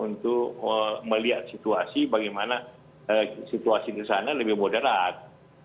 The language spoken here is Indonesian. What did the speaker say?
untuk melihat situasi bagaimana situasi di sana lebih moderat